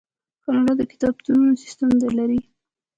کاناډا د کتابتونونو سیستم لري.